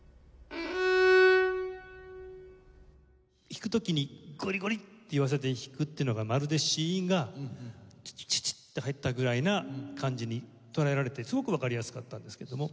弾く時にゴリゴリッていわせて弾くっていうのがまるで子音がチチチチッて入ったぐらいな感じに捉えられてすごくわかりやすかったですけれども。